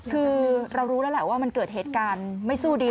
คือเรารู้แล้วแหละว่ามันเกิดเหตุการณ์ไม่สู้ดี